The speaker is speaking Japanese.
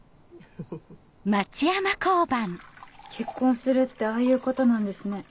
結婚するってああいうことなんですね。